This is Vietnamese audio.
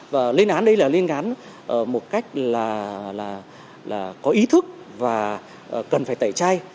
và lên án đây là lên án một cách là có ý thức và cần phải tẩy chay